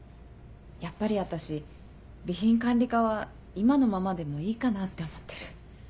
やっぱり私備品管理課は今のままでもいいかなって思ってる。